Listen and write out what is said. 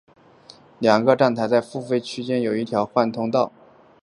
两个站台在付费区内有一条换乘通道连通。